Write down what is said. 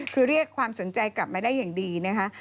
คือเรียกความสนใจกลับมาได้อย่างดีนะคะ